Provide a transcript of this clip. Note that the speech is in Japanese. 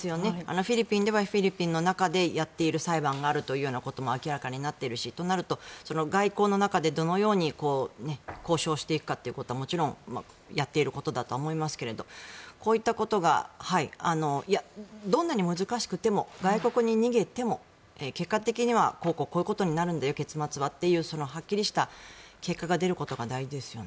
フィリピンではフィリピンの中でやっている裁判があるというようなことも明らかになっているしとなると外交の中でどのように交渉していくかってことはもちろんやっていることだと思いますがこういったことがどんなに難しくても外国に逃げても結果的にはこうこうこういうことになるんだよ、結末はとそのはっきりした結果が出ることが大事ですよね。